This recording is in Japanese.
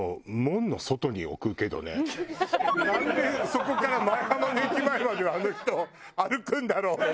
なんでそこから舞浜の駅前まではあの人歩くんだろうって。